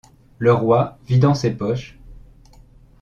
Le Roi, vidant ses poches.